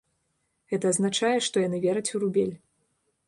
Гэта азначае, што яны вераць у рубель.